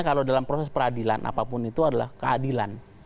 kalau dalam proses peradilan apapun itu adalah keadilan